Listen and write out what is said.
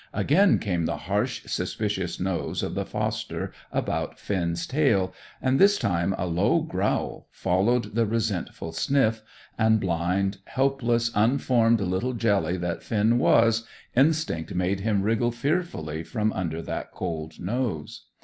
Again came the harsh, suspicious nose of the foster about Finn's tail, and this time a low growl followed the resentful sniff, and blind, helpless, unformed little jelly that Finn was, instinct made him wriggle fearfully from under that cold nose.